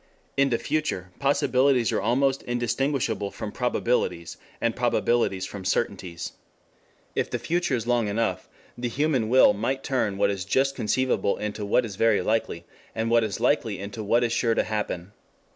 In the future possibilities are almost indistinguishable from probabilities and probabilities from certainties. If the future is long enough, the human will might turn what is just conceivable into what is very likely, and what is likely into what is sure to happen.